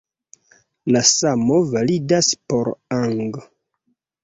La samo validas por ang.